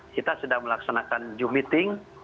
kita sedang melaksanakan zoom meeting